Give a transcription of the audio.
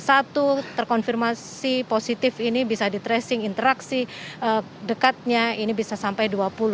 satu terkonfirmasi positif ini bisa di tracing interaksi dekatnya ini bisa sampai dua puluh